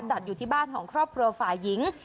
จัดอยู่ที่บ้านของครอบครัวฝ่ายหญิง